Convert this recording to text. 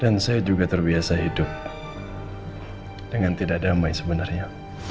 dan saya juga terbiasa hidup dengan tidak damai sebenarnya